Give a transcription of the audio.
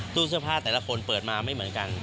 ตู้เสื้อผ้าแต่ละคนเปิดมาไม่เหมือนกัน